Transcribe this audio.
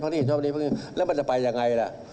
พักนี้เห็นชอบตรงนี้แล้วมันจะไปอย่างไรล่ะ